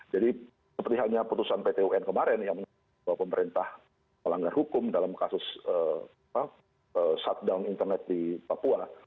jadi seperti halnya kemarin yang pemerintah melanggar hukum dalam kasus shutdown internet di papua